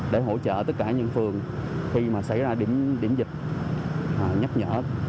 để hỗ trợ tất cả những phường khi mà xảy ra điểm dịch nhắc nhở